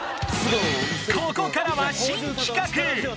ここからは新企画！